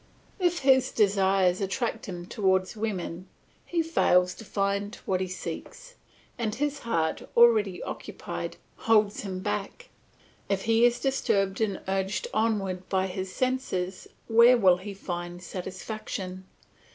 If his desires attract him towards women, he fails to find what he seeks, and his heart, already occupied, holds him back. If he is disturbed and urged onward by his senses, where will he find satisfaction?